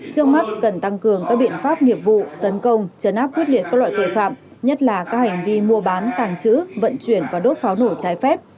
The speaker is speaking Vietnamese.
trước mắt cần tăng cường các biện pháp nghiệp vụ tấn công chấn áp quyết liệt các loại tội phạm nhất là các hành vi mua bán tàng trữ vận chuyển và đốt pháo nổ trái phép